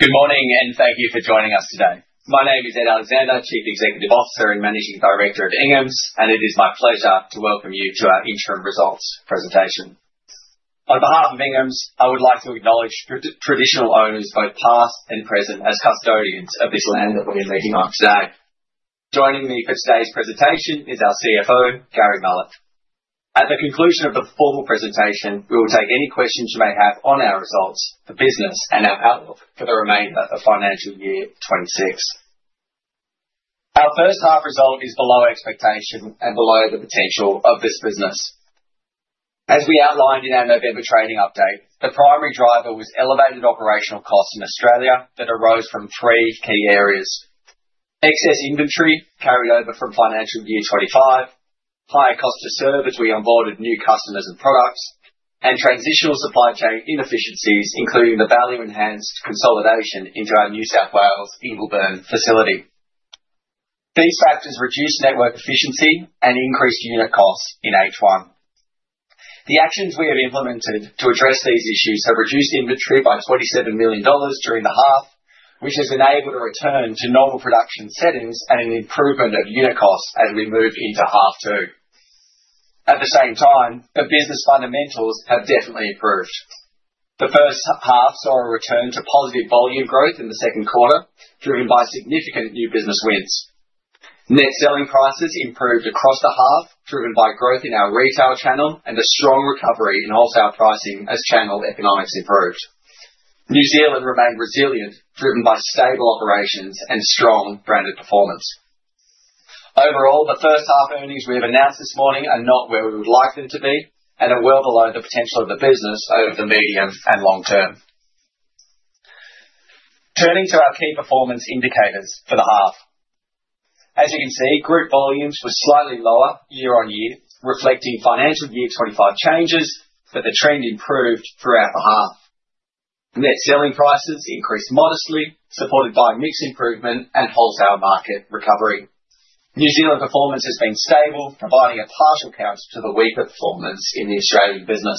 Good morning, and thank you for joining us today. My name is Ed Alexander, Chief Executive Officer and Managing Director of Ingham's, and it is my pleasure to welcome you to our interim results presentation. On behalf of Ingham's, I would like to acknowledge traditional owners, both past and present, as custodians of this land that we're meeting on today. Joining me for today's presentation is our CFO, Gary Mallett. At the conclusion of the formal presentation, we will take any questions you may have on our results, the business, and our outlook for the remainder of financial year 2026. Our first half result is below expectation and below the potential of this business. As we outlined in our November trading update, the primary driver was elevated operational costs in Australia that arose from three key areas: excess inventory carried over from financial year 2025, higher cost to serve as we onboarded new customers and products, and transitional supply chain inefficiencies, including the value-enhanced consolidation into our New South Wales Ingleburn facility. These factors reduced network efficiency and increased unit costs in H1. The actions we have implemented to address these issues have reduced inventory by 27 million dollars during the half, which has enabled a return to normal production settings and an improvement of unit costs as we move into half two. At the same time, the business fundamentals have definitely improved. The first half saw a return to positive volume growth in the second quarter, driven by significant new business wins. Net selling prices improved across the half, driven by growth in our retail channel and a strong recovery in wholesale pricing as channel economics improved. New Zealand remained resilient, driven by stable operations and strong branded performance. Overall, the first half earnings we have announced this morning are not where we would like them to be and are well below the potential of the business over the medium and long term. Turning to our key performance indicators for the half. As you can see, group volumes were slightly lower year-on-year, reflecting financial year 2025 changes, but the trend improved throughout the half. Net selling prices increased modestly, supported by mix improvement and wholesale market recovery. New Zealand performance has been stable, providing a partial counter to the weaker performance in the Australian business.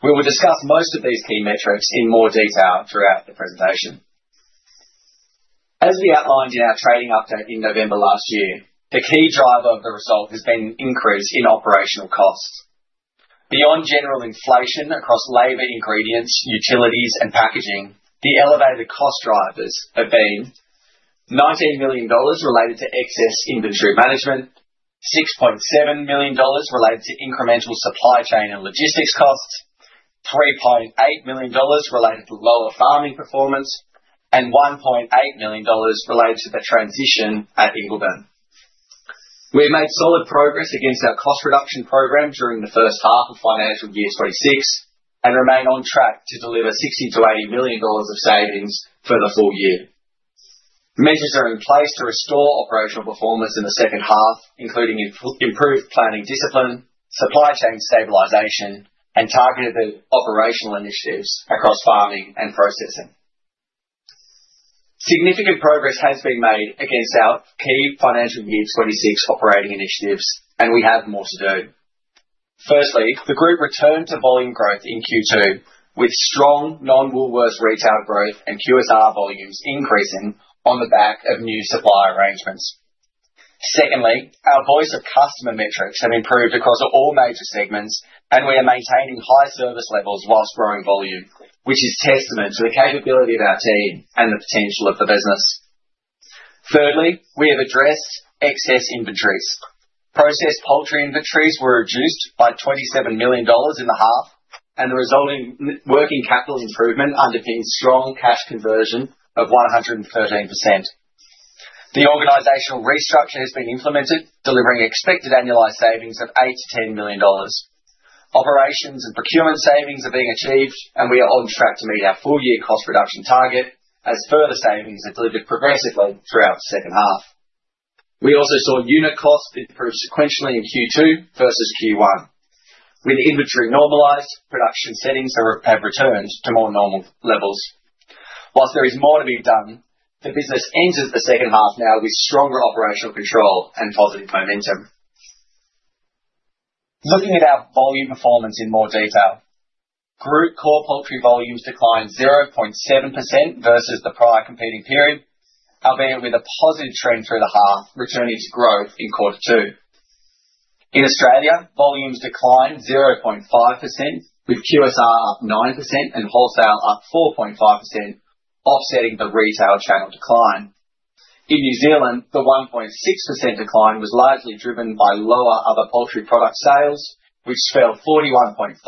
We will discuss most of these key metrics in more detail throughout the presentation. As we outlined in our trading update in November last year, the key driver of the result has been an increase in operational costs. Beyond general inflation across labor, ingredients, utilities, and packaging, the elevated cost drivers have been 19 million dollars related to excess inventory management, 6.7 million dollars related to incremental supply chain and logistics costs, 3.8 million dollars related to lower farming performance, and 1.8 million dollars related to the transition at Ingleburn. We have made solid progress against our cost reduction program during the first half of financial year 2026 and remain on track to deliver 60 million-80 million dollars of savings for the full year. Measures are in place to restore operational performance in the second half, including improved planning discipline, supply chain stabilization, and targeted operational initiatives across farming and processing. Significant progress has been made against our key financial year 2026 operating initiatives, and we have more to do. Firstly, the group returned to volume growth in Q2, with strong non-Woolworths retail growth and QSR volumes increasing on the back of new supply arrangements. Secondly, our Voice of Customer metrics have improved across all major segments, and we are maintaining high service levels while growing volume, which is testament to the capability of our team and the potential of the business. Thirdly, we have addressed excess inventories. Processed poultry inventories were reduced by 27 million dollars in the half, and the resulting working capital improvement underpins strong cash conversion of 113%. The organizational restructure has been implemented, delivering expected annualized savings of 8 million-10 million dollars. Operations and procurement savings are being achieved, and we are on track to meet our full year cost reduction target as further savings are delivered progressively throughout the second half. We also saw unit costs improve sequentially in Q2 versus Q1. With inventory normalized, production settings have returned to more normal levels. While there is more to be done, the business enters the second half now with stronger operational control and positive momentum. Looking at our volume performance in more detail. Group core poultry volumes declined 0.7% versus the prior corresponding period, albeit with a positive trend through the half, returning to growth in quarter two. In Australia, volumes declined 0.5%, with QSR up 9% and wholesale up 4.5%, offsetting the retail channel decline. In New Zealand, the 1.6% decline was largely driven by lower other poultry product sales, which fell 41.5%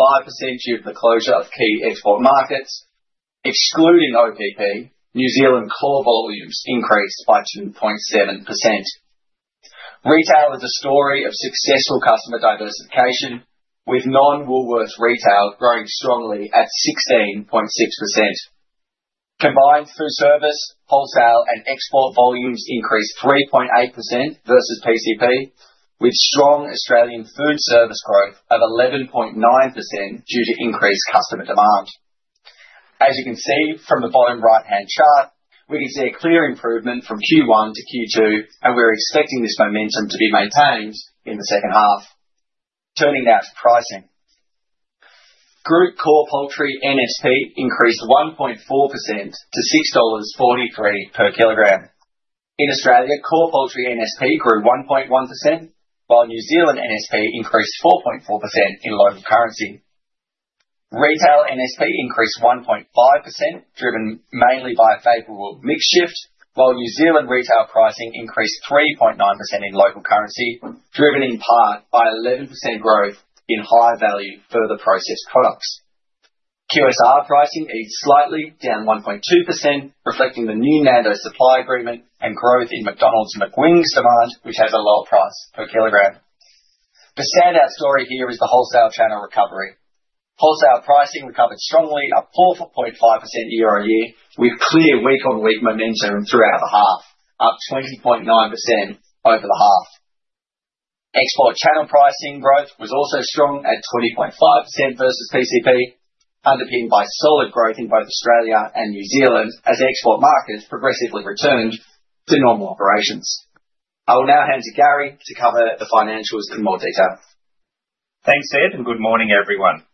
due to the closure of key export markets. Excluding OPP, New Zealand core volumes increased by 2.7%. Retail is a story of successful customer diversification, with non-Woolworths retail growing strongly at 16.6%. Combined food service, wholesale, and export volumes increased 3.8% versus PCP, with strong Australian food service growth of 11.9% due to increased customer demand. As you can see from the bottom right-hand chart, we can see a clear improvement from Q1-Q2, and we're expecting this momentum to be maintained in the second half. Turning now to pricing. Group Core Poultry NSP increased 1.4% to AUD 6.43/kg. In Australia, Core Poultry NSP grew 1.1%, while New Zealand NSP increased 4.4% in local currency. Retail NSP increased 1.5%, driven mainly by a favorable mix shift, while New Zealand retail pricing increased 3.9% in local currency, driven in part by 11% growth in high-value further processed products. QSR pricing eased slightly, down 1.2%, reflecting the new Nando's supply agreement and growth in McDonald's McWings demand, which has a lower price per kilogram. The standout story here is the wholesale channel recovery. Wholesale pricing recovered strongly, up 4.5% year-on-year, with clear week-on-week momentum throughout the half, up 20.9% over the half. Export channel pricing growth was also strong at 20.5% versus PCP, underpinned by solid growth in both Australia and New Zealand as export markets progressively returned to normal operations. I will now hand to Gary to cover the financials in more detail. Thanks, Ed, and good morning, everyone.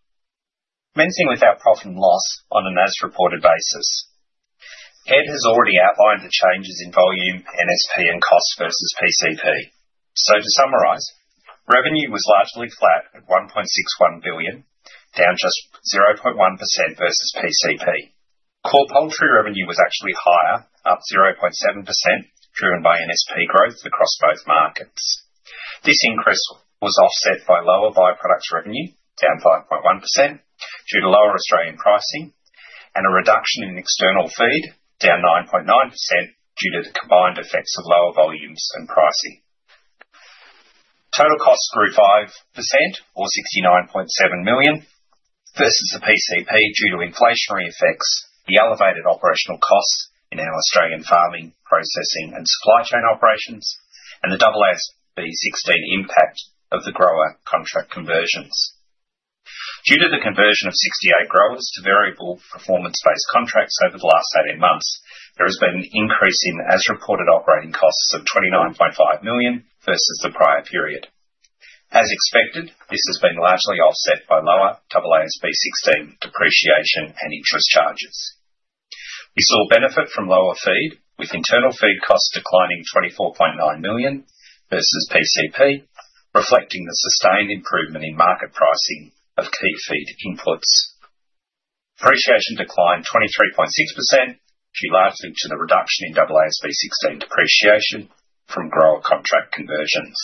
Commencing with our profit and loss on an as-reported basis. Ed has already outlined the changes in volume, NSP, and cost versus PCP. So to summarize, revenue was largely flat at 1.61 billion, down just 0.1% versus PCP. Core Poultry revenue was actually higher, up 0.7%, driven by NSP growth across both markets. This increase was offset by lower by-products revenue, down 5.1%, due to lower Australian pricing and a reduction in external feed, down 9.9%, due to the combined effects of lower volumes and pricing. Total costs grew 5% or 69.7 million versus the PCP due to inflationary effects, the elevated operational costs in our Australian farming, processing, and supply chain operations, and the AASB 16 impact of the grower contract conversions. Due to the conversion of 68 growers to variable performance-based contracts over the last 18 months, there has been an increase in as-reported operating costs of 29.5 million versus the prior period. As expected, this has been largely offset by lower AASB 16 depreciation and interest charges. We saw benefit from lower feed, with internal feed costs declining 24.9 million versus PCP, reflecting the sustained improvement in market pricing of key feed inputs. Depreciation declined 23.6%, due largely to the reduction in AASB 16 depreciation from grower contract conversions.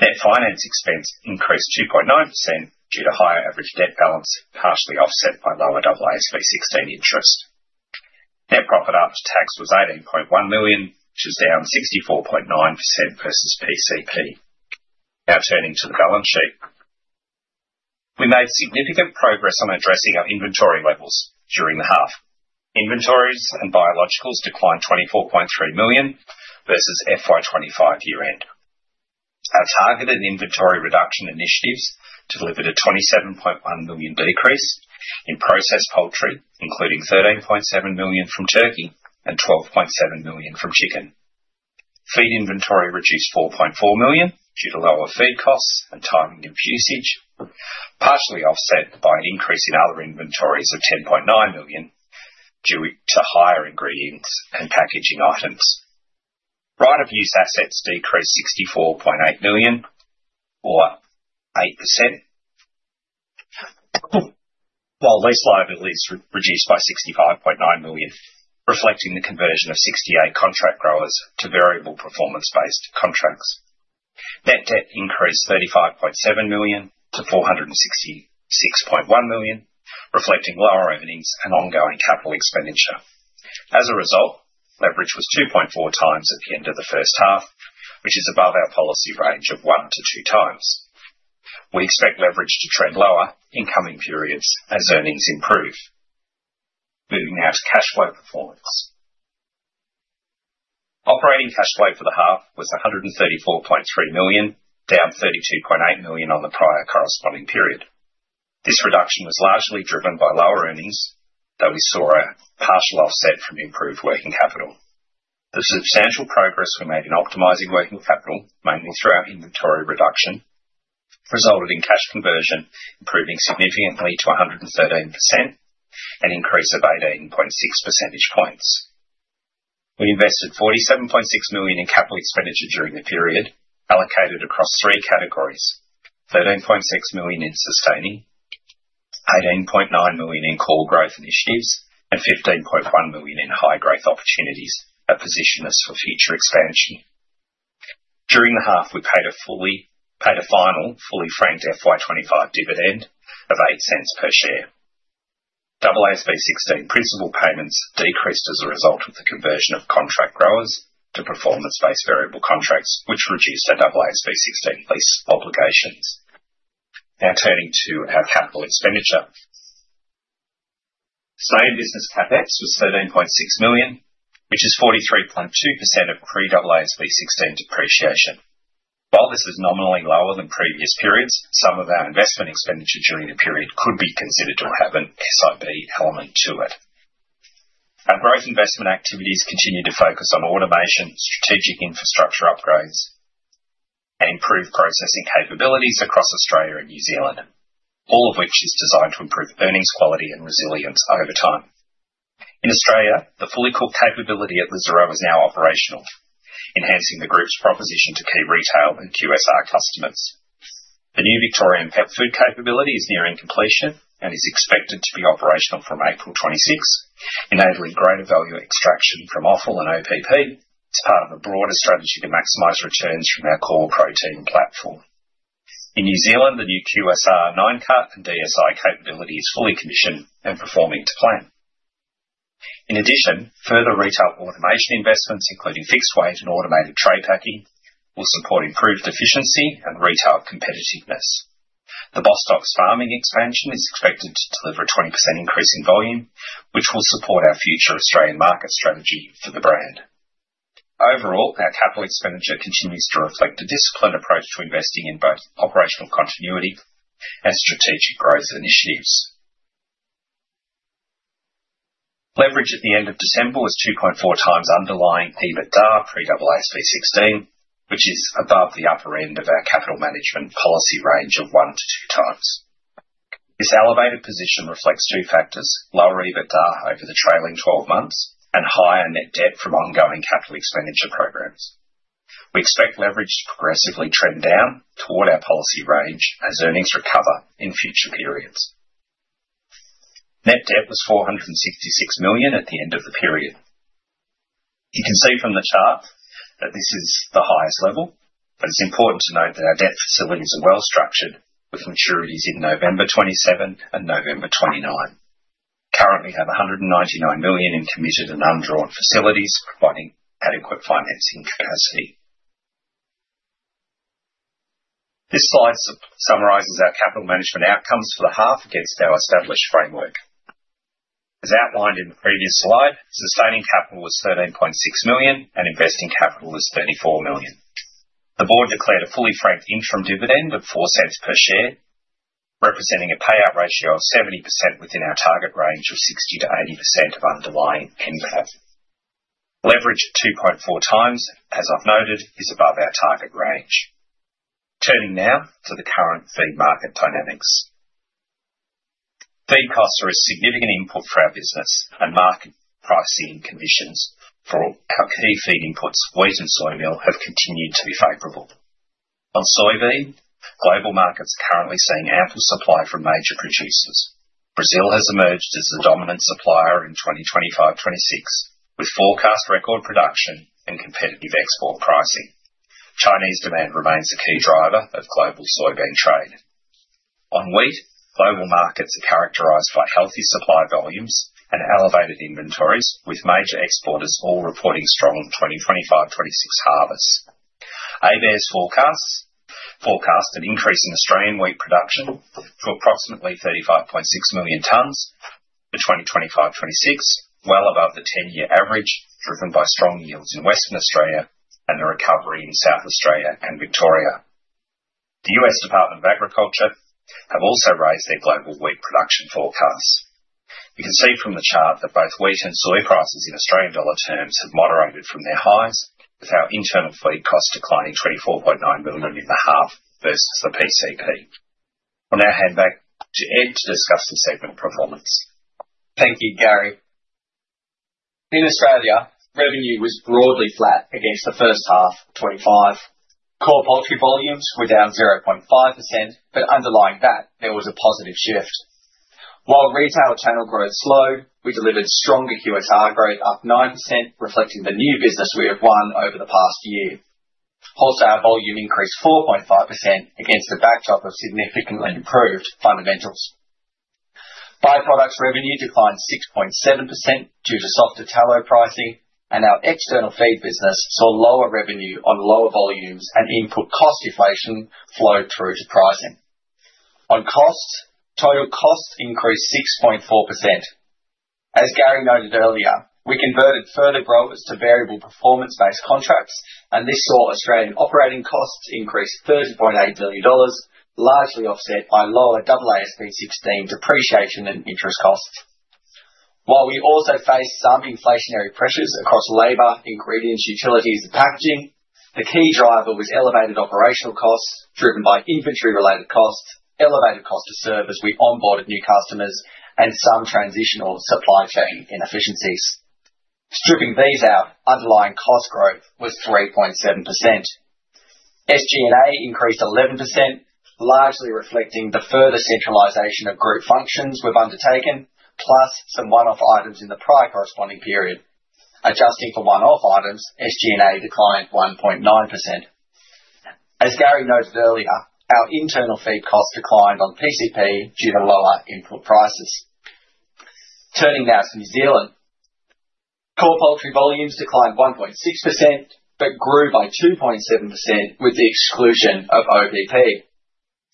Net finance expense increased 2.9% due to higher average debt balance, partially offset by lower AASB 16 interest. Net profit after tax was 18.1 million, which is down 64.9% versus PCP. Now turning to the balance sheet. We made significant progress on addressing our inventory levels during the half. Inventories and biologicals declined 24.3 million versus FY 2025 year-end. Our targeted inventory reduction initiatives delivered a 27.1 million decrease in processed poultry, including 13.7 million from turkey and 12.7 million from chicken. Feed inventory reduced 4.4 million due to lower feed costs and timing of usage, partially offset by an increase in other inventories of 10.9 million, due to higher ingredients and packaging items. Right-of-use assets decreased 64.8 million or 8%, while lease liabilities reduced by 65.9 million, reflecting the conversion of 68 contract growers to variable performance-based contracts. Net debt increased 35.7 million to 466.1 million, reflecting lower earnings and ongoing capital expenditure. As a result, leverage was 2.4x at the end of the first half, which is above our policy range of 1x-2x. We expect leverage to trend lower in coming periods as earnings improve. Moving now to cash flow performance. Operating cash flow for the half was 134.3 million, down 32.8 million on the prior corresponding period. This reduction was largely driven by lower earnings, though we saw a partial offset from improved working capital. The substantial progress we made in optimizing working capital, mainly through our inventory reduction, resulted in cash conversion improving significantly to 113%, an increase of 18.6 percentage points. We invested 47.6 million in capital expenditure during the period, allocated across three categories: 13.6 million in sustaining, 18.9 million in core growth initiatives, and 15.1 million in high-growth opportunities that position us for future expansion. During the half, we paid a final fully franked FY 2025 dividend of 0.08 per share. AASB 16 principal payments decreased as a result of the conversion of contract growers to performance-based variable contracts, which reduced our AASB 16 lease obligations. Now turning to our capital expenditure. Same business CapEx was 13.6 million, which is 43.2% of pre-AASB 16 depreciation. While this is nominally lower than previous periods, some of our investment expenditure during the period could be considered to have an SIB element to it. Our growth investment activities continue to focus on automation, strategic infrastructure upgrades, and improved processing capabilities across Australia and New Zealand, all of which is designed to improve earnings, quality, and resilience over time. In Australia, the fully cooked capability at Ingleburn is now operational, enhancing the group's proposition to key retail and QSR customers. The new Victorian pet food capability is nearing completion and is expected to be operational from April 26th, enabling greater value extraction from offal and OPP as part of a broader strategy to maximize returns from our core protein platform. In New Zealand, the new QSR 9-cut and DSI capability is fully commissioned and performing to plan. In addition, further retail automation investments, including fixed weight and automated trade packing, will support improved efficiency and retail competitiveness. The Bostock farming expansion is expected to deliver a 20% increase in volume, which will support our future Australian market strategy for the brand. Overall, our capital expenditure continues to reflect a disciplined approach to investing in both operational continuity and strategic growth initiatives. Leverage at the end of December was 2.4x underlying EBITDA pre-AASB 16, which is above the upper end of our capital management policy range of 1x-2x. This elevated position reflects two factors: lower EBITDA over the trailing 12 months and higher net debt from ongoing capital expenditure programs. We expect leverage to progressively trend down toward our policy range as earnings recover in future periods. Net debt was 466 million at the end of the period. You can see from the chart that this is the highest level, but it's important to note that our debt facilities are well structured, with maturities in November 2027 and November 2029. Currently have 199 million in committed and undrawn facilities, providing adequate financing capacity. This slide summarizes our capital management outcomes for the half against our established framework. As outlined in the previous slide, sustaining capital was 13.6 million, and investing capital was 34 million. The board declared a fully franked interim dividend of 0.04 per share, representing a payout ratio of 70% within our target range of 60%-80% of underlying NPAT. Leverage 2.4x, as I've noted, is above our target range. Turning now to the current feed market dynamics. Feed costs are a significant input for our business, and market pricing conditions for our key feed inputs, wheat and soy meal, have continued to be favorable. On soybean, global markets currently seeing ample supply from major producers. Brazil has emerged as the dominant supplier in 2025-2026, with forecast record production and competitive export pricing. Chinese demand remains a key driver of global soybean trade. On wheat, global markets are characterized by healthy supply volumes and elevated inventories, with major exporters all reporting strong 2025-2026 harvests. ABARES forecasts an increase in Australian wheat production to approximately 35.6 million tons for 2025-2026, well above the 10-year average, driven by strong yields in Western Australia and a recovery in South Australia and Victoria. The U.S. Department of Agriculture have also raised their global wheat production forecasts. You can see from the chart that both wheat and soy prices in Australian dollar terms have moderated from their highs, with our internal feed costs declining 24.9 million in the half versus the PCP. I'll now hand back to Ed to discuss the segment performance. Thank you, Gary. In Australia, revenue was broadly flat against the first half of 2025. Core poultry volumes were down 0.5%, but underlying that, there was a positive shift. While retail channel growth slowed, we delivered stronger QSR growth, up 9%, reflecting the new business we have won over the past year. Wholesale volume increased 4.5% against the backdrop of significantly improved fundamentals. Byproducts revenue declined 6.7% due to softer tallow pricing, and our external feed business saw lower revenue on lower volumes and input cost inflation flowed through to pricing. On costs, total costs increased 6.4%. As Gary noted earlier, we converted further growers to variable performance-based contracts, and this saw Australian operating costs increase AUD 30.8 million, largely offset by lower AASB 16 depreciation and interest costs. While we also faced some inflationary pressures across labor, ingredients, utilities, and packaging, the key driver was elevated operational costs, driven by inventory-related costs, elevated cost to serve as we onboarded new customers, and some transitional supply chain inefficiencies. Stripping these out, underlying cost growth was 3.7%. SG&A increased 11%, largely reflecting the further centralization of group functions we've undertaken, plus some one-off items in the prior corresponding period. Adjusting for one-off items, SG&A declined 1.9%. As Gary noted earlier, our internal feed costs declined on PCP due to lower input prices. Turning now to New Zealand. Core poultry volumes declined 1.6%, but grew by 2.7% with the exclusion of OPP.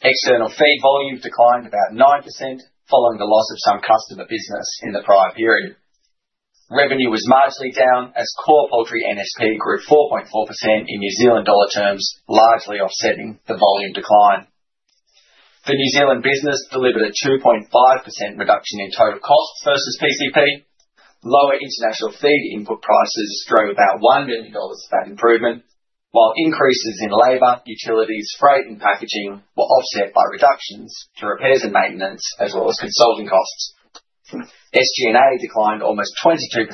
External feed volumes declined about 9% following the loss of some customer business in the prior period. Revenue was mostly down as core poultry NSP grew 4.4% in New Zealand dollar terms, largely offsetting the volume decline. The New Zealand business delivered a 2.5% reduction in total costs versus PCP. Lower international feed input prices drove about 1 million dollars of that improvement, while increases in labor, utilities, freight, and packaging were offset by reductions to repairs and maintenance, as well as consulting costs. SG&A declined almost 22%,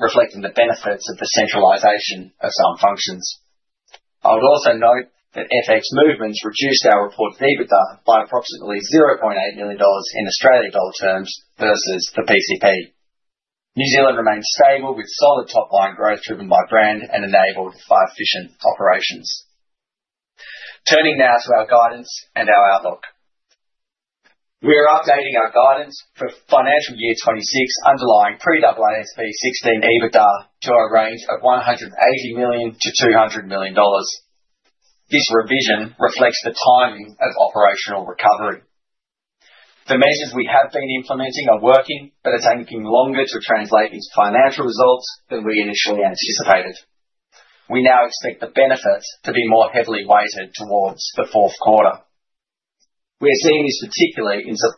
reflecting the benefits of the centralization of some functions. I would also note that FX movements reduced our reported EBITDA by approximately 0.8 million dollars in Australian dollar terms versus the PCP. New Zealand remains stable, with solid top line growth driven by brand and enabled by efficient operations. Turning now to our guidance and our outlook. We are updating our guidance for financial year 2026 underlying pre-AASB 16 EBITDA to a range of 180 million-200 million dollars. This revision reflects the timing of operational recovery. The measures we have been implementing are working, but it's taking longer to translate these financial results than we initially anticipated. We now expect the benefits to be more heavily weighted towards the fourth quarter. We are seeing this particularly in s-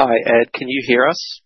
Hi, Ed, can you hear us?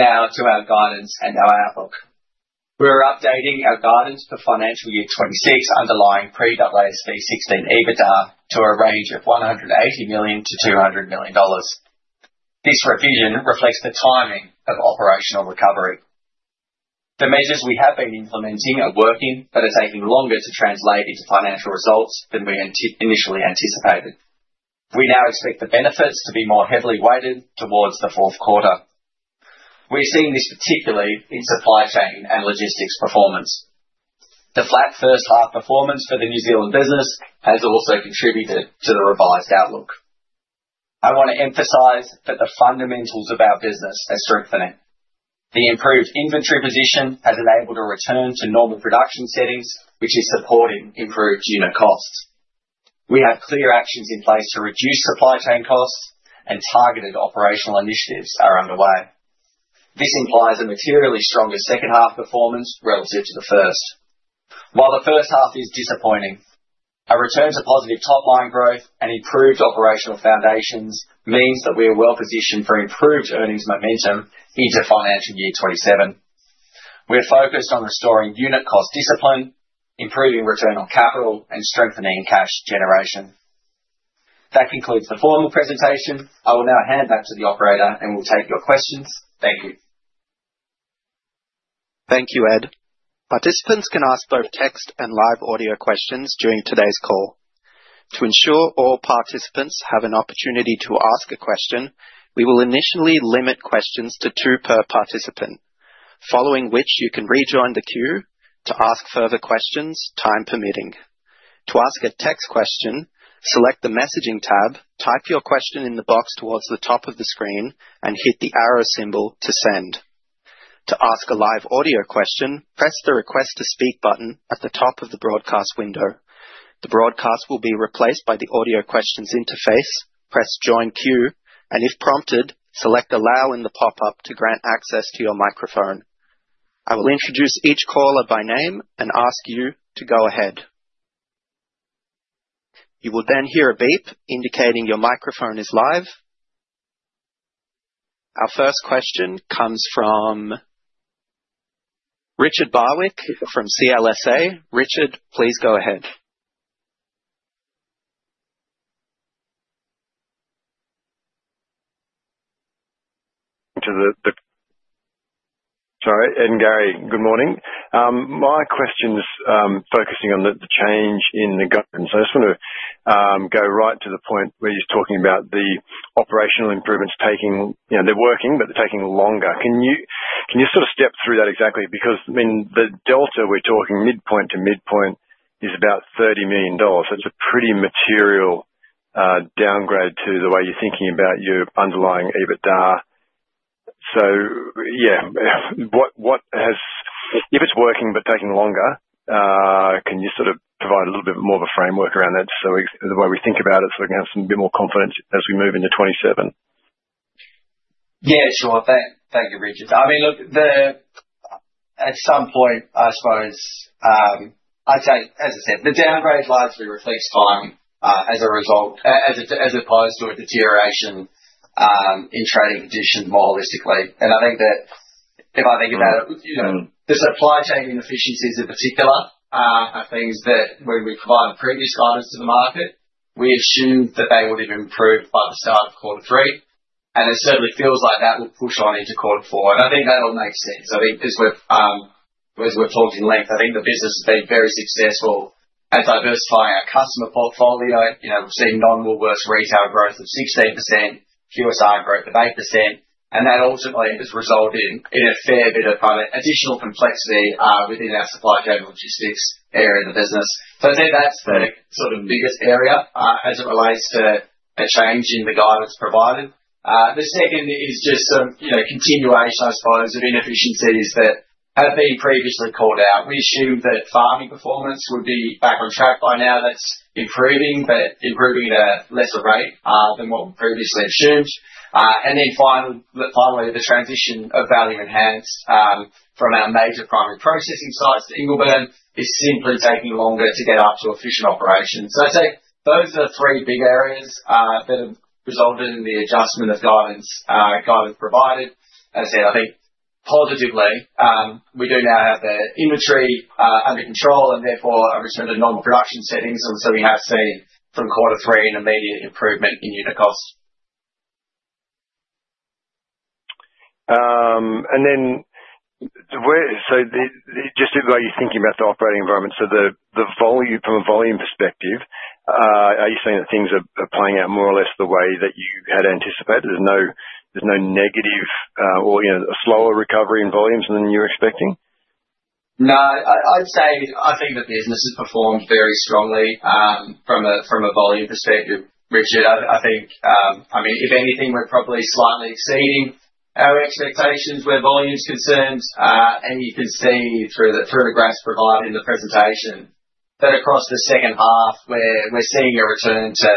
Turning now to our guidance and our outlook. We are updating our guidance for financial year 2026 underlying pre-AASB 16 EBITDA to a range of 180 million-200 million dollars. This revision reflects the timing of operational recovery. The measures we have been implementing are working, but are taking longer to translate into financial results than we initially anticipated. We now expect the benefits to be more heavily weighted towards the fourth quarter. We're seeing this particularly in supply chain and logistics performance. The flat first half performance for the New Zealand business has also contributed to the revised outlook. I want to emphasize that the fundamentals of our business are strengthening. The improved inventory position has enabled a return to normal production settings, which is supporting improved unit costs. We have clear actions in place to reduce supply chain costs and targeted operational initiatives are underway. This implies a materially stronger second half performance relative to the first. While the first half is disappointing, a return to positive top line growth and improved operational foundations means that we are well positioned for improved earnings momentum into financial year 2027. We are focused on restoring unit cost discipline, improving return on capital, and strengthening cash generation. That concludes the formal presentation. I will now hand back to the operator, and we'll take your questions. Thank you. Thank you, Ed. Participants can ask both text and live audio questions during today's call. To ensure all participants have an opportunity to ask a question, we will initially limit questions to two per participant, following which you can rejoin the queue to ask further questions, time permitting. To ask a text question, select the messaging tab, type your question in the box towards the top of the screen, and hit the arrow symbol to send. To ask a live audio question, press the Request to Speak button at the top of the broadcast window. The broadcast will be replaced by the audio questions interface. Press Join Queue, and if prompted, select Allow in the pop-up to grant access to your microphone. I will introduce each caller by name and ask you to go ahead. You will then hear a beep indicating your microphone is live. Our first question comes from Richard Barwick from CLSA. Richard, please go ahead. Gary, good morning. My question is focusing on the change in the guidance. I just wanna go right to the point where you're talking about the operational improvements taking. You know, they're working, but they're taking longer. Can you sort of step through that exactly? Because, I mean, the delta we're talking, midpoint to midpoint, is about 30 million dollars. So it's a pretty material downgrade to the way you're thinking about your underlying EBITDA. So yeah, what has, if it's working but taking longer, can you sort of provide a little bit more of a framework around that, so the way we think about it, so we can have some bit more confidence as we move into 2027? Yeah, sure. Thank you, Richard. I mean, look, at some point, I suppose, I'd say, as I said, the downgrade largely reflects time, as a result, as opposed to a deterioration in trading conditions more realistically. And I think that if I think about it, you know, the supply chain inefficiencies in particular are things that when we provided previous guidance to the market, we assumed that they would have improved by the start of quarter three, and it certainly feels like that will push on into quarter four, and I think that all makes sense. I think as we're, as we've talked in length, I think the business has been very successful at diversifying our customer portfolio. You know, we've seen non-Woolworths retail growth of 16%, QSR growth of 8%, and that ultimately has resulted in, in a fair bit of additional complexity within our supply chain logistics area of the business. So I'd say that's the sort of biggest area as it relates to a change in the guidance provided. The second is just some, you know, continuation, I suppose, of inefficiencies that have been previously called out. We assumed that farming performance would be back on track by now. That's improving, but improving at a lesser rate than what we previously assumed. And then finally, the transition of value-enhanced from our major primary processing sites to Ingleburn is simply taking longer to get up to efficient operation. So I'd say those are the three big areas that have resulted in the adjustment of guidance, guidance provided. As I said, I think positively, we do now have the inventory under control and therefore a return to normal production settings, and so we have seen from quarter three an immediate improvement in unit costs. Where just the way you're thinking about the operating environment, the volume, from a volume perspective, are you saying that things are playing out more or less the way that you had anticipated? There's no negative, or, you know, a slower recovery in volumes than you were expecting? No, I'd say I think the business has performed very strongly from a volume perspective, Richard. I think, I mean, if anything, we're probably slightly exceeding our expectations where volume is concerned. And you can see through the graphs provided in the presentation, that across the second half, we're seeing a return to,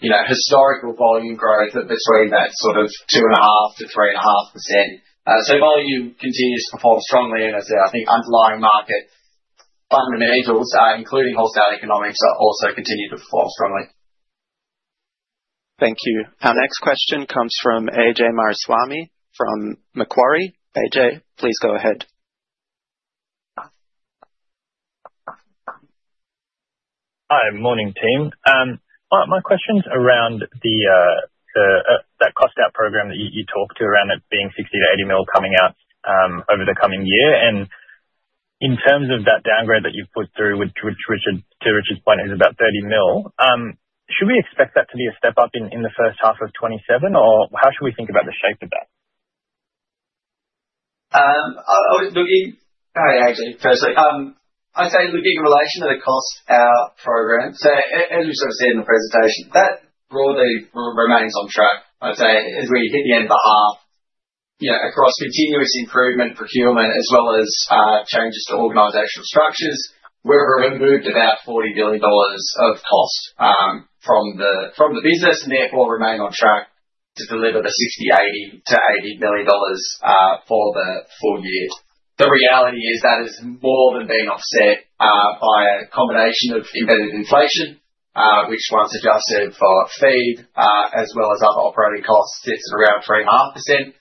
you know, historical volume growth of between that sort of 2.5%-3.5%. So volume continues to perform strongly, and as I think underlying market fundamentals, including wholesale economics, are also continuing to perform strongly. Thank you. Our next question comes from Ajay Mariswamy from Macquarie. Ajay, please go ahead. Hi. Morning, team. My, my question's around the, the, that cost out program that you, you talked to around it being 60 million-80 million coming out, over the coming year. And in terms of that downgrade that you've put through, which, which to Richard's point, is about 30 million, should we expect that to be a step-up in, in the first half of 2027, or how should we think about the shape of that? I was looking. Hi, Ajay, firstly. I'd say looking in relation to the cost, our program, as you sort of see in the presentation, that broadly remains on track. I'd say as we hit the end of the half, you know, across continuous improvement procurement, as well as changes to organizational structures, we've removed about 40 million dollars of cost from the business and therefore remain on track to deliver the 60 million-80 million dollars for the full year. The reality is that has more than been offset by a combination of embedded inflation, which once adjusted for feed, as well as other operating costs, sits at around 3.5%,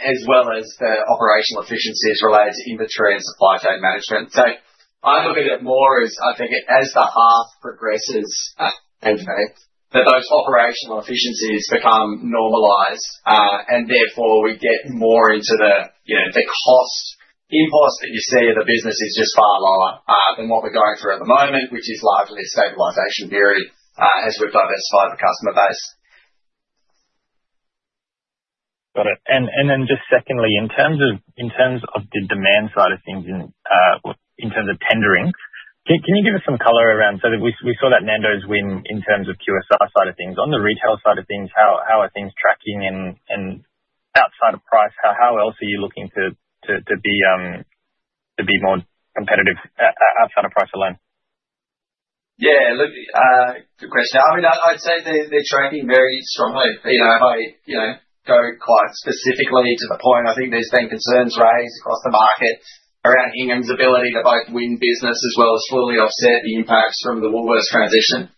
as well as the operational efficiencies related to inventory and supply chain management. So I look at it more as, I think, as the half progresses, end-to-end, that those operational efficiencies become normalized, and therefore we get more into the, you know, the cost inputs that you see in the business is just far lower, than what we're going through at the moment, which is largely a stabilization period, as we've diversified the customer base. Got it. And then just secondly, in terms of the demand side of things, well, in terms of tendering. Can you give us some color around, so that we saw that Nando's win in terms of QSR side of things. On the retail side of things, how are things tracking and outside of price, how else are you looking to be more competitive outside of price alone? Yeah, look, good question. I mean, I'd say they're, they're tracking very strongly. You know, if I, you know, go quite specifically to the point, I think there's been concerns raised across the market around Ingham's ability to both win business as well as fully offset the impacts from the Woolworths transition.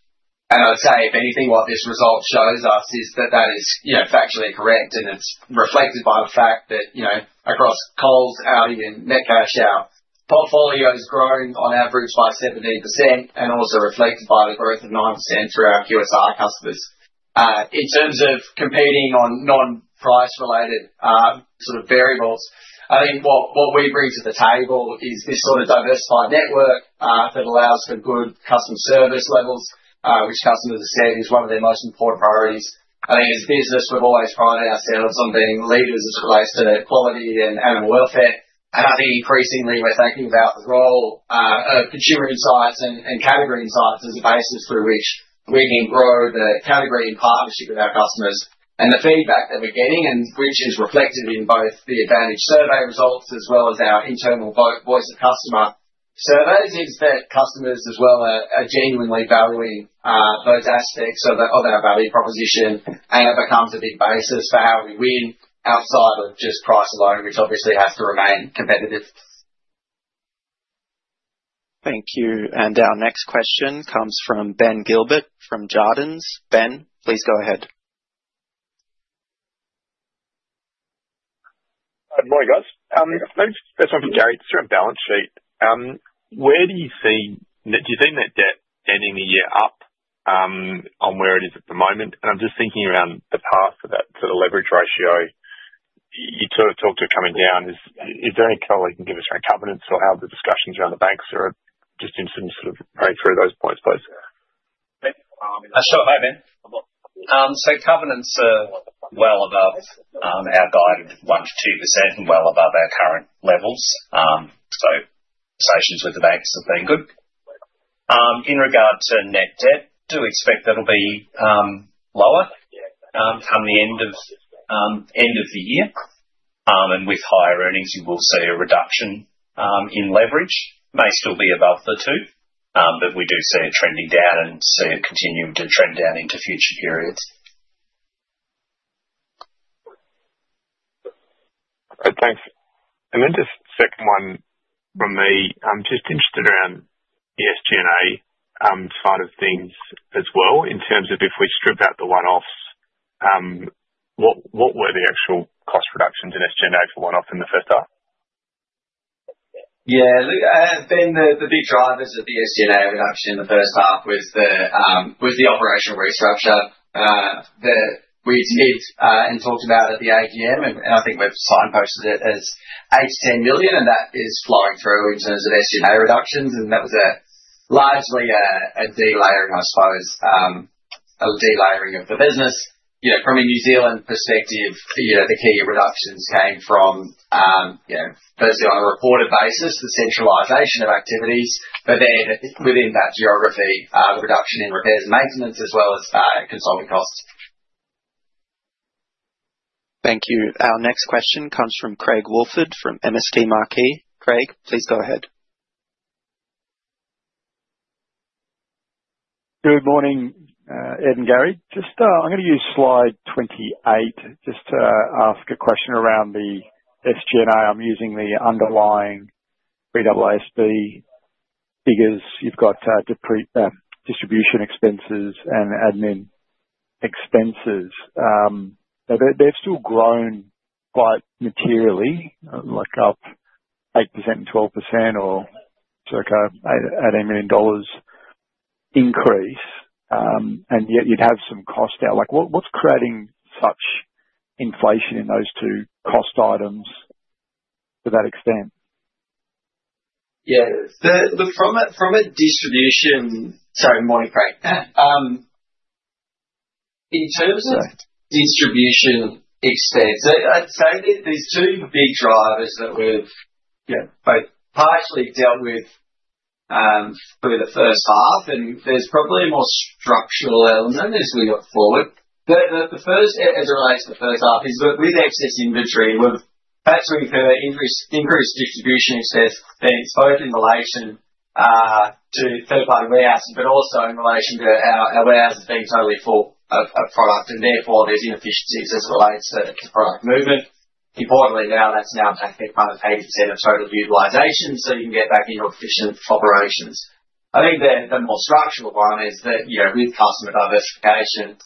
And I'd say, if anything, what this result shows us is that that is, you know, factually incorrect, and it's reflected by the fact that, you know, across Coles, ALDI, and Metcash, our portfolio has grown on average by 17% and also reflected by the growth of 9% through our QSR customers. In terms of competing on non-price related, sort of, variables, I think what we bring to the table is this sort of diversified network, that allows for good customer service levels, which customers have said is one of their most important priorities. I think as a business, we've always prided ourselves on being leaders as it relates to quality and animal welfare. And I think increasingly we're thinking about the role of consumer insights and category insights as a basis through which we can grow the category in partnership with our customers. And the feedback that we're getting, and which is reflected in both the advantage survey results as well as our internal Voice of Customer surveys, is that customers as well are genuinely valuing those aspects of our value proposition. It becomes a big basis for how we win outside of just price alone, which obviously has to remain competitive. Thank you. Our next question comes from Ben Gilbert, from Jarden. Ben, please go ahead. Good morning, guys. Maybe the first one for Gary, just around balance sheet. Where do you see net debt ending the year up, on where it is at the moment? And I'm just thinking around the path for that, for the leverage ratio. You sort of talked it coming down. Is there any color you can give us around Covenants or how the discussions around the banks are just in terms of sort of praying through those points, please? Sure. Hi, Ben. So Covenants are well above our guide of 1%-2% and well above our current levels. So discussions with the banks have been good. In regard to net debt, do expect that'll be lower come the end of the year. And with higher earnings, you will see a reduction in leverage. May still be above the two, but we do see it trending down and see it continuing to trend down into future periods. Okay, thanks. And then just second one from me. I'm just interested around the SG&A side of things as well, in terms of if we strip out the one-offs, what, what were the actual cost reductions in SG&A for one-off in the first half? Yeah. Look, Ben, the big drivers of the SG&A reduction in the first half was the operational restructure that we teed and talked about at the AGM, and I think we've signposted it as 18 million, and that is flowing through in terms of SG&A reductions, and that was largely a delayering, I suppose, a delayering of the business. You know, from a New Zealand perspective, the key reductions came from, you know, firstly on a reported basis, the centralization of activities, but then within that geography, the reduction in repairs and maintenance as well as consulting costs. Thank you. Our next question comes from Craig Woolford, from MST Marquee. Craig, please go ahead. Good morning, Ed and Gary. Just, I'm gonna use slide 28 just to ask a question around the SG&A. I'm using the underlying AASB figures. You've got, distribution expenses and admin expenses. They've still grown quite materially, like up 8% and 12%, or it's like an 8 million dollars increase, and yet you'd have some cost out. Like, what's creating such inflation in those two cost items to that extent? Yeah. From a distribution, sorry, morning, Craig. In terms of distribution expense, I'd say there's two big drivers that we've, you know, both partially dealt with through the first half, and there's probably a more structural element as we look forward. The first, as it relates to the first half, is with excess inventory, we've partially incurred increased distribution expense, that it's both in relation to third-party warehouse, but also in relation to our warehouses being totally full of product, and therefore there's inefficiencies as it relates to product movement. Importantly, now, that's now back below 80% of total utilization, so you can get back into efficient operations. I think the more structural one is that, you know, with customer diversification,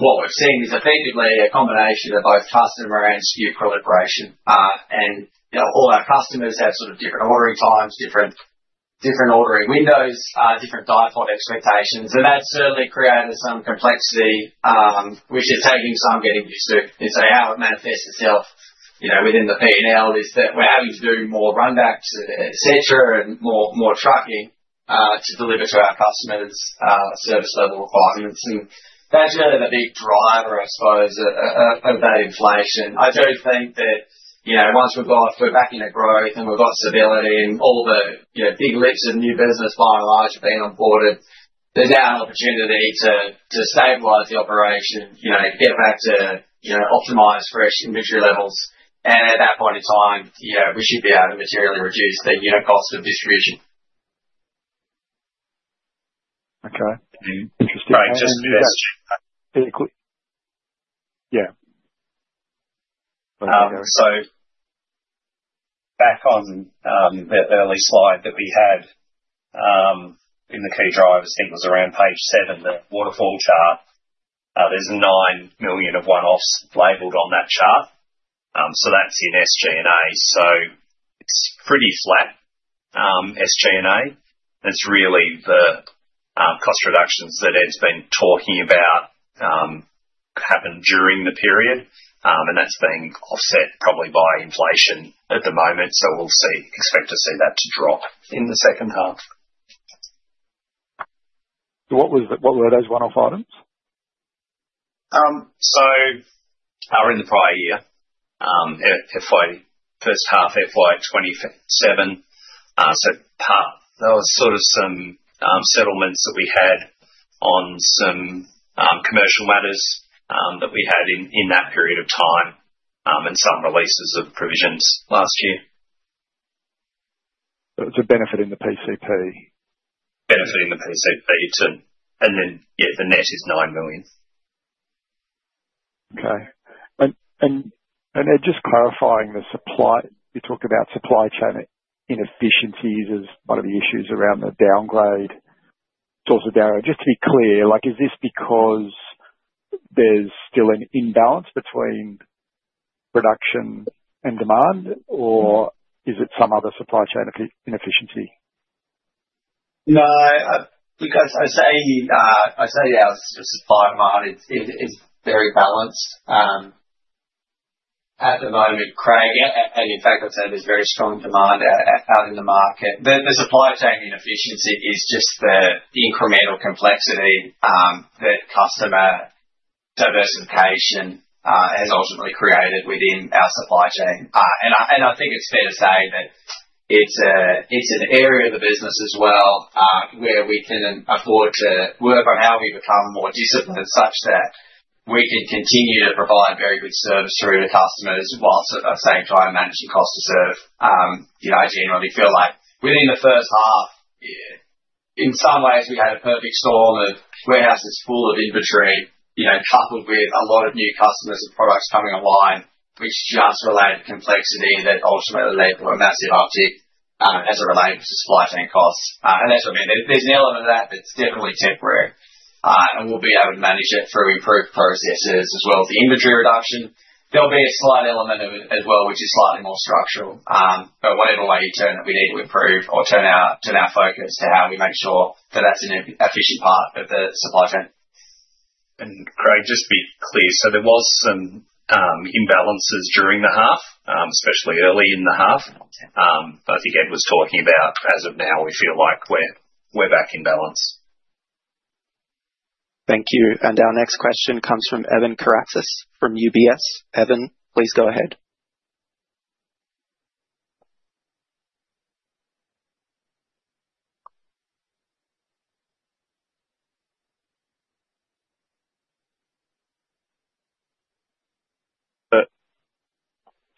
what we've seen is effectively a combination of both customer and SKU proliferation. And, you know, all our customers have sort of different ordering times, different ordering windows, different diet product expectations, and that's certainly created some complexity, which is taking some getting used to. And so how it manifests itself, you know, within the PNL is that we're having to do more runbacks, et cetera, and more trucking to deliver to our customers service level requirements. And that's really the big driver, I suppose, of that inflation. I do think that, you know, once we've got, we're back into growth and we've got stability and all the, you know, big leaps of new business by and large are being onboarded, there's now an opportunity to, to stabilize the operation, you know, get back to, you know, optimized fresh inventory levels. At that point in time, you know, we should be able to materially reduce the unit cost of distribution. Okay. Interesting. And just- Very quick. Yeah. So back on the early slide that we had in the key drivers, I think it was around page 7, the waterfall chart. There's 9 million of one-offs labeled on that chart. So that's in SG&A. So it's pretty flat SG&A. It's really the cost reductions that Ed's been talking about happened during the period, and that's being offset probably by inflation at the moment, so we'll see, expect to see that drop in the second half. What were those one-off items? So, in the prior year, at FY first half, FY 2025, there was sort of some settlements that we had on some commercial matters that we had in that period of time, and some releases of provisions last year. It was a benefit in the PCP? Benefit in the PCP, too. And then, yeah, the net is 9 million. Okay. And then just clarifying the supply. You talked about supply chain inefficiencies as one of the issues around the downgrade. So just to be clear, like, is this because there's still an imbalance between production and demand, or is it some other supply chain inefficiency? No, because I say, I say our supply and demand is very balanced at the moment, Craig, and in fact, I'd say there's very strong demand out in the market. The supply chain inefficiency is just the incremental complexity that customer diversification has ultimately created within our supply chain. And I think it's fair to say that it's an area of the business as well where we can afford to work on how we become more disciplined, such that we can continue to provide very good service through to customers whilst at the same time managing cost to serve. You know, I generally feel like within the first half, in some ways we had a perfect storm of warehouses full of inventory, you know, coupled with a lot of new customers and products coming online, which just related complexity that ultimately led to a massive uptick as it relates to supply chain costs. And that's what I mean. There's an element of that that's definitely temporary, and we'll be able to manage it through improved processes as well as the inventory reduction. There'll be a slight element of it as well, which is slightly more structural. But whatever way you turn it, we need to improve or turn our focus to how we make sure that that's an efficient part of the supply chain. Craig, just to be clear, so there was some imbalances during the half, especially early in the half. I think Ed was talking about as of now, we feel like we're, we're back in balance. Thank you. Our next question comes from Evan Karatzas from UBS. Evan, please go ahead.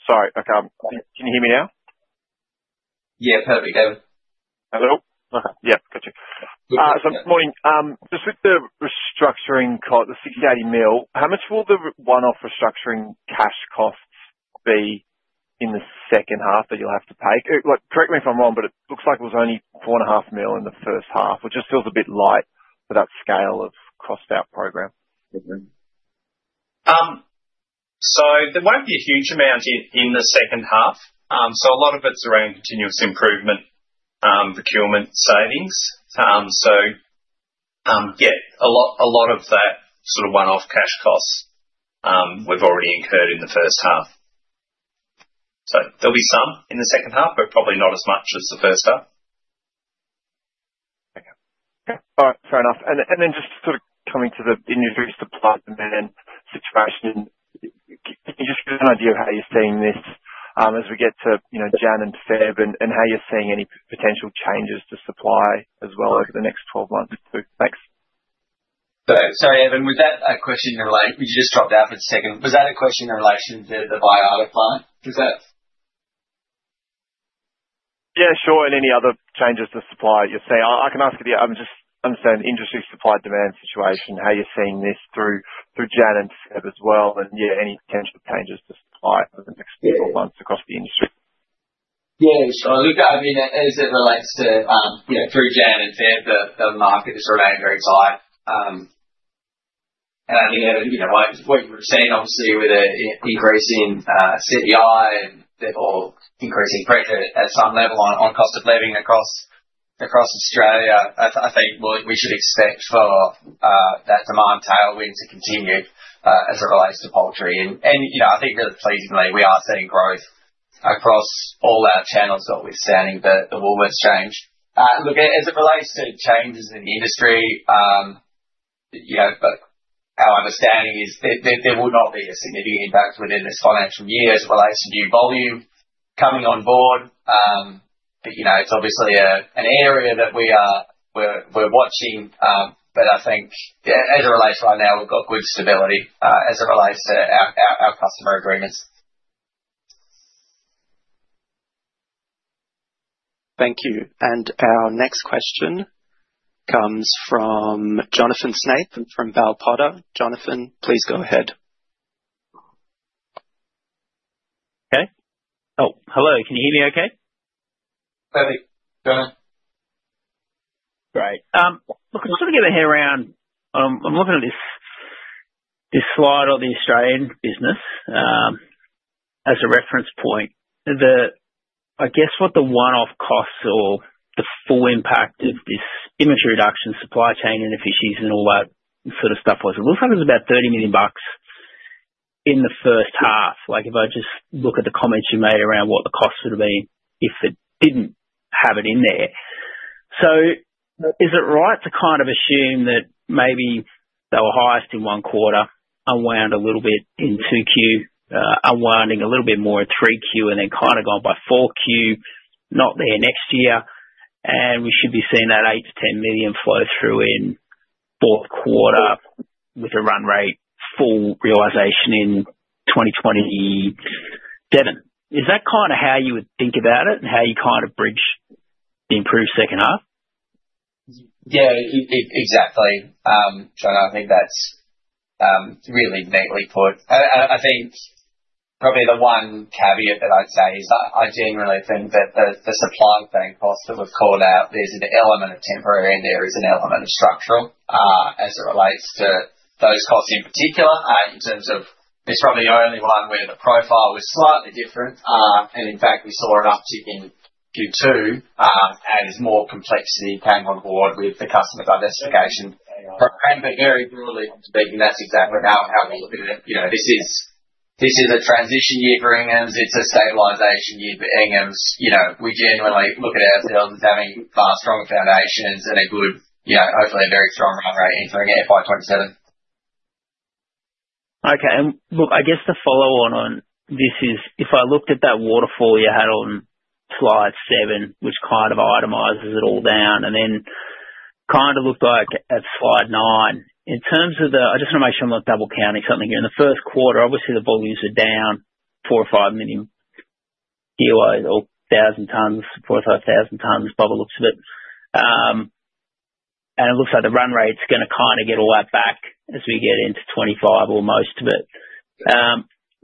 Sorry, okay, can you hear me now? Yeah, perfect, Evan. Hello? Yeah. Got you. Yeah. So good morning. Just with the restructuring cost, the 68 million, how much will the one-off restructuring cash costs be in the second half that you'll have to pay? Look, correct me if I'm wrong, but it looks like it was only 4.5 million in the first half, which just feels a bit light for that scale of cost out program. So there won't be a huge amount in the second half. So a lot of it's around continuous improvement, procurement savings. So, yeah, a lot, a lot of that sort of one-off cash costs, we've already incurred in the first half. So there'll be some in the second half, but probably not as much as the first half. Okay. All right, fair enough. And then just sort of coming to the industry supply and demand situation, can you just give us an idea of how you're seeing this, as we get to, you know, January and February, and how you're seeing any potential changes to supply as well over the next 12 months? Thanks. Sorry, Evan, was that a question in relate. You just dropped out for a second. Was that a question in relation to the Baiada plant? Is that- Yeah, sure, and any other changes to supply you're seeing. I can ask it again. I'm just understanding the industry supply/demand situation, how you're seeing this through January and February as well, and yeah, any potential changes to supply over the next several months across the industry? Yeah. So look, I mean, as it relates to you know through January and February, the market has remained very tight. And I think, you know, like, what we've seen obviously with an increase in CPI and therefore increasing pressure at some level on cost of living across Australia, I think, well, we should expect for that demand tailwind to continue as it relates to poultry. And you know, I think really pleasingly, we are seeing growth across all our channels, notwithstanding the Woolworths change. Look, as it relates to changes in the industry, you know, but our understanding is there will not be a significant impact within this financial year, as it relates to new volume coming on board. But, you know, it's obviously an area that we're watching. But I think, yeah, as it relates to right now, we've got good stability as it relates to our customer agreements. Thank you. Our next question comes from Jonathan Snape from Bell Potter. Jonathan, please go ahead. Okay. Oh, hello. Can you hear me okay? Perfect, Jonathan. Great. Look, I just want to get my head around, I'm looking at this, this slide of the Australian business, as a reference point. I guess, what the one-off costs or the full impact of this inventory reduction, supply chain inefficiencies and all that sort of stuff was. It looks like it was about 30 million bucks in the first half. Like, if I just look at the comments you made around what the costs would have been if it didn't have it in there. Is it right to kind of assume that maybe they were highest in one quarter, unwound a little bit in 2Q, unwinding a little bit more in 3Q, and then kind of gone by 4Q, not there next year. And we should be seeing that 8 million-10 million flow through in fourth quarter with a run rate, full realization in 2027. Is that kind of how you would think about it and how you kind of bridge the improved second half? Yeah, exactly. So I think that's really neatly put. I think probably the one caveat that I'd say is I generally think that the supply chain costs that we've called out, there's an element of temporary and there is an element of structural, as it relates to those costs in particular. In terms of, it's probably the only one where the profile was slightly different. And in fact, we saw an uptick in Q2, as more complexity came on board with the customer diversification program. But very broadly speaking, that's exactly how we're looking at it. You know, this is a transition year for Ingham's. It's a stabilization year for Ingham's. You know, we generally look at ourselves as having far stronger foundations and a good, you know, hopefully a very strong run rate into year FY 2027. Okay. I guess the follow on, on this is: if I looked at that waterfall you had on slide 7, which kind of itemizes it all down, and then kind of looked at slide 9. In terms of the, I just want to make sure I'm not double counting something here. In the first quarter, obviously, the volumes are down 4,000 tons-5,000 tons, by the looks of it. I mean, it looks like the run rate's gonna kinda get all that back as we get into 2025 or most of it.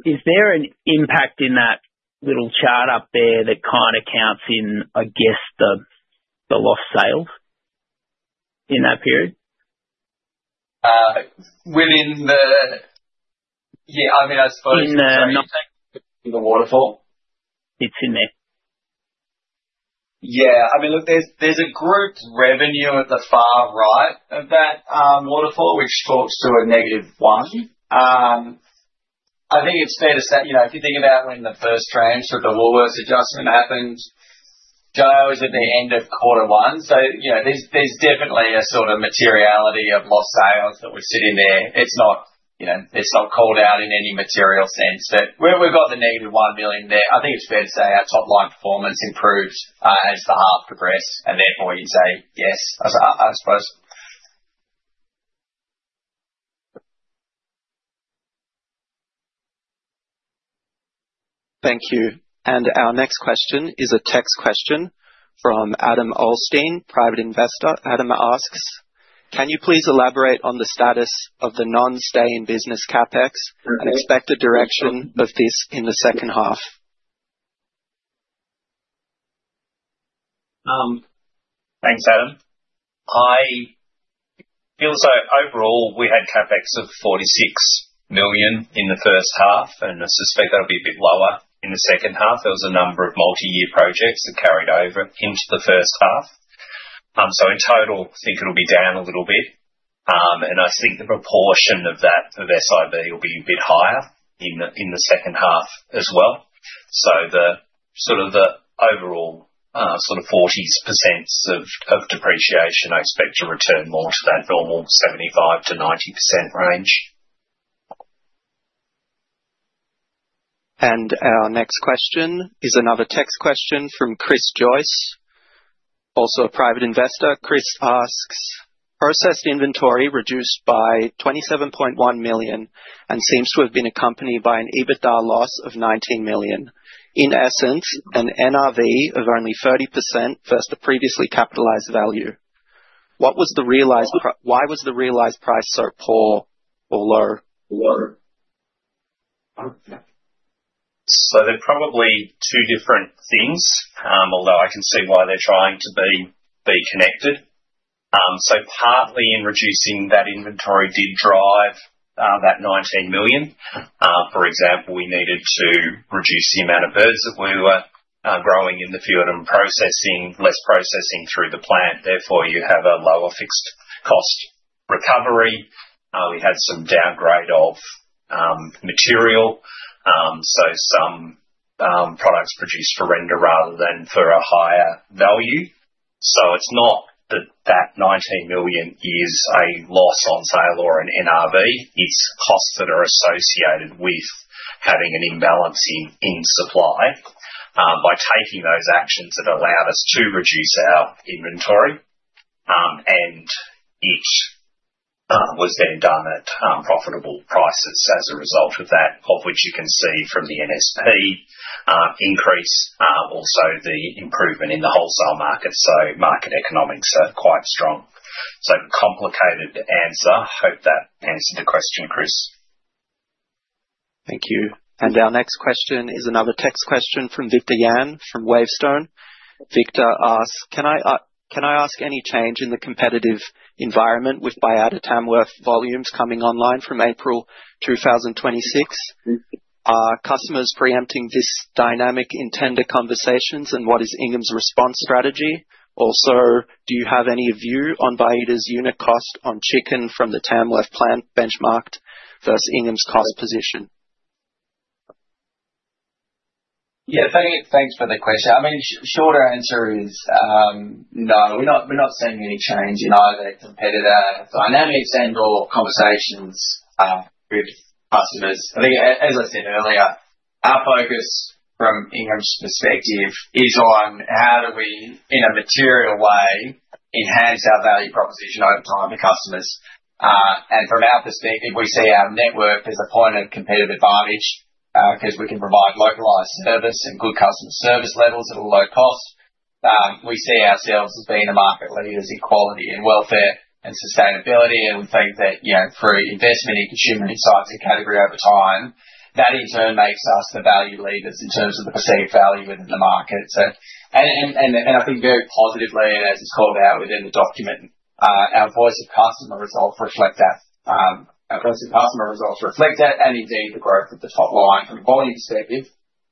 Is there an impact in that little chart up there that kind of counts in, I guess, the lost sales in that period? Within the... Yeah, I mean, I suppose- In the- The waterfall? It's in there. Yeah. I mean, look, there's a grouped revenue at the far right of that waterfall, which talks to a -1. I think it's fair to say, you know, if you think about when the first tranche of the Woolworths adjustment happened, Joe, is at the end of quarter one. So, you know, there's definitely a sort of materiality of lost sales that was sitting there. It's not, you know, it's not called out in any material sense, but where we've got the -1 million there, I think it's fair to say our top-line performance improved as the half progressed, and therefore you say yes. I suppose. Thank you. Our next question is a text question from Adam Olsteen, private investor. Adam asks: Can you please elaborate on the status of the Non Stay-in-Business CapEx and expected direction of this in the second half? Thanks, Adam. It feels like overall, we had CapEx of 46 million in the first half, and I suspect that'll be a bit lower in the second half. There was a number of multi-year projects that carried over into the first half. So in total, I think it'll be down a little bit. And I think the proportion of that, of SIB, will be a bit higher in the, in the second half as well. So the sort of the overall, sort of 40s% of, of depreciation, I expect to return more to that normal 75%-90% range. Our next question is another text question from Chris Joyce, also a private investor. Chris asks: Processed inventory reduced by 27.1 million and seems to have been accompanied by an EBITDA loss of 19 million. In essence, an NRV of only 30% versus the previously capitalized value. Why was the realized price so poor or low? Low? So they're probably two different things, although I can see why they're trying to be connected. So partly in reducing that inventory did drive that 19 million. For example, we needed to reduce the amount of birds that we were growing in the field and processing, less processing through the plant, therefore, you have a lower fixed cost recovery. We had some downgrade of material, so some products produced for render rather than for a higher value. So it's not that that 19 million is a loss on sale or an NRV, it's costs that are associated with having an imbalance in supply. By taking those actions, it allowed us to reduce our inventory, and it was then done at profitable prices as a result of that, of which you can see from the NSP increase, also the improvement in the wholesale market. So market economics are quite strong. So, complicated answer. Hope that answered the question, Chris. Thank you. Our next question is another text question from Victor Yan, from WaveStone. Victor asks: Can I ask any change in the competitive environment with Baiada Tamworth volumes coming online from April 2026? Are customers preempting this dynamic in tender conversations, and what is Ingham's response strategy? Also, do you have any view on Baiada's unit cost on chicken from the Tamworth plant benchmarked versus Ingham's cost position? Yeah, thanks for the question. I mean, shorter answer is, no. We're not seeing any change in either competitor dynamics and/or conversations with customers. I think, as I said earlier, our focus from Ingham's perspective is on how do we, in a material way, enhance our value proposition over time to customers? And from our perspective, we see our network as a point of competitive advantage, because we can provide localized service and good customer service levels at a low cost. We see ourselves as being a market leader in quality and welfare and sustainability, and we think that, you know, through investment in consumer insights and category over time, that in turn makes us the value leaders in terms of the perceived value within the market. I think very positively, and as it's called out within the document, our Voice of Customer results reflect that. Our Voice of Customer results reflect that, and indeed, the growth of the top line from a volume perspective,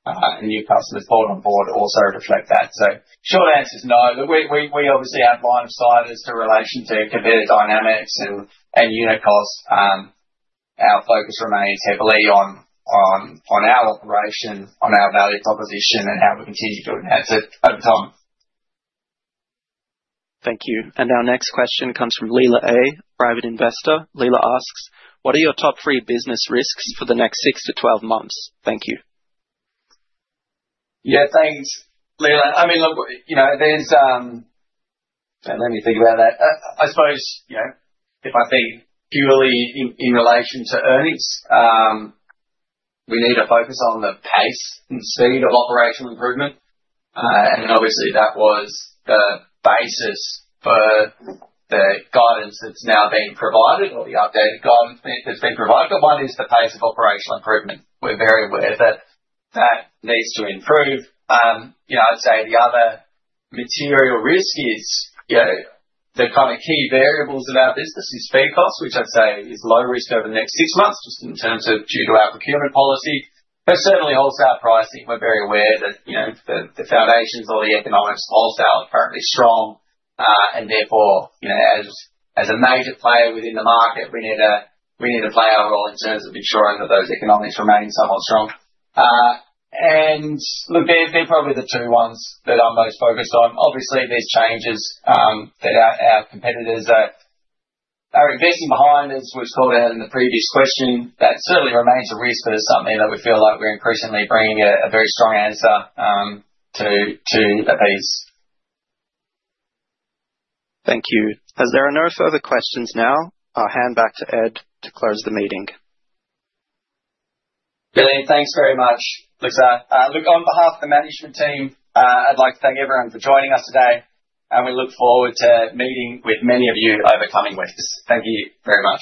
and new customers brought on board also reflect that. So short answer is no, but we obviously have line of sight as to relation to competitor dynamics and unit costs. Our focus remains heavily on our operation, on our value proposition, and how we continue to enhance it over time. Thank you. Our next question comes from Leila A., private investor. Leila asks: What are your top three business risks for the next 6 months-12 months? Thank you. Yeah. Thanks, Leila. I mean, look, you know, there's. Let me think about that. I suppose, you know, if I think purely in relation to earnings, we need to focus on the pace and speed of operational improvement. And obviously, that was the basis for the guidance that's now been provided or the updated guidance that's been provided. But one is the pace of operational improvement. We're very aware that that needs to improve. You know, I'd say the other material risk is, you know, the kind of key variables in our business is feed costs, which I'd say is low risk over the next six months, just in terms of due to our procurement policy. But certainly wholesale pricing, we're very aware that, you know, the foundations or the economics of wholesale are currently strong, and therefore, you know, as a major player within the market, we need to, we need to play our role in terms of ensuring that those economics remain somewhat strong. And look, they're probably the two ones that I'm most focused on. Obviously, there's changes that our competitors are investing behind, as we've talked about in the previous question. That certainly remains a risk, but it's something that we feel like we're increasingly bringing a very strong answer to appease. Thank you. As there are no further questions now, I'll hand back to Ed to close the meeting. Billy, thanks very much. Look, on behalf of the management team, I'd like to thank everyone for joining us today, and we look forward to meeting with many of you over the coming weeks. Thank you very much.